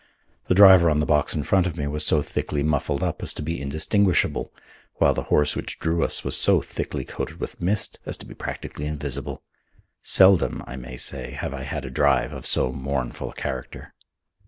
The driver on the box in front of me was so thickly muffled up as to be indistinguishable, while the horse which drew us was so thickly coated with mist as to be practically invisible. Seldom, I may say, have I had a drive of so mournful a character.